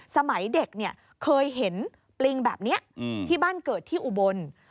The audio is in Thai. สมัยเด็กเนี่ยเคยเห็นปริงแบบนี้ที่บ้านเกิดที่อุบล